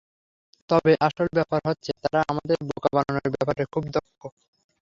তবে আসল ব্যাপার হচ্ছে, তারা আমাদের বোকা বানানোর ব্যাপারে খুব দক্ষ।